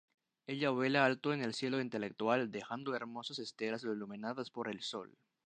Ella vuela alto en el cielo intelectual, dejando hermosas estelas iluminadas por el sol.